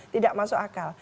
tidak masuk akal